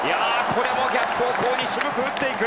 逆方向に渋く打っていく。